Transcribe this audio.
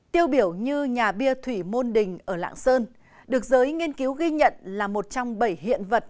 tiêu biểu như nhà bia thủy môn đình ở lạng sơn được giới nghiên cứu ghi nhận là một trong bảy hiện vật